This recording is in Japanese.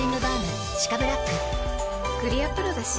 クリアプロだＣ。